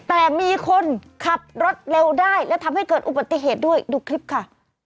แต่มีคนขับรถเร็วได้และทำให้เกิดอุบัติเหตุด้วยดูคลิปค่ะ